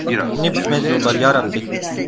Ne bitmez yollar yarabbi!